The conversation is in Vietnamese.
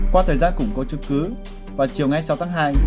qua thời gian củng cố chức cứ vào chiều ngay sáu tháng hai